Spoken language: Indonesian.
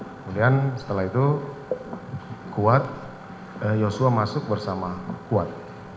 kemudian setelah itu kuat yosua masuk bersama kuat